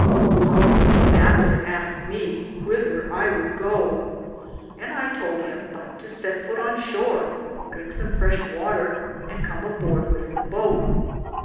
So the Mr. asked me whether I would go, and I tould him but to sett foute on shore, drinke som freshe water, and com aborde with the boate.